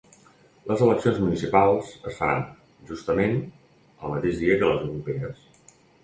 Les eleccions municipals es faran, justament, el mateix dia que les europees.